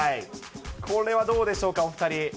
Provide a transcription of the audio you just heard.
これはどうでしょうか、お２人。